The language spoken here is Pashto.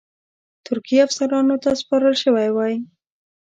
ترکي افسرانو ته سپارل شوی وای.